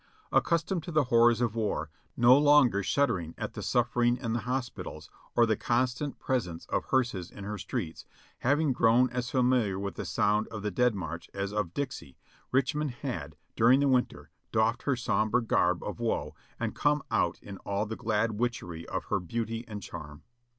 Ac customed to the horrors of war, no longer shuddering at the suf fering in the hospitals or the constant presence of hearses in her streets, having grown as familiar with the sound of the Dead March as of Dixie, Richmond had, during the winter, doffed her sombre garb of woe and come out in all the glad witchery of her beauty and charm.